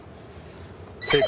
正解。